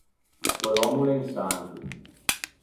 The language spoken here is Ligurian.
Quell’òmmo o l’é un santo.